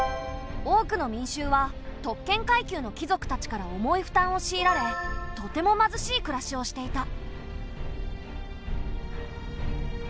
多くの民衆は特権階級の貴族たちから重い負担を強いられとても貧しい暮らしをしていた。